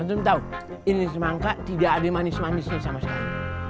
langsung tahu ini semangka tidak ada manis manisnya sama sekali